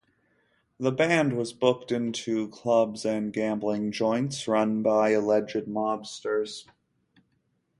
The band was booked into clubs and gambling joints run by alleged mobsters.